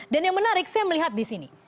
dan yang menarik saya melihat di sini